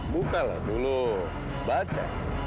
bukalah dulu baca